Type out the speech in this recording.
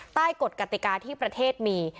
กฎกติกาที่ประเทศมี